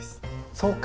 そうか。